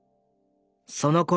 そのころ